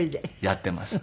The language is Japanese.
やっています。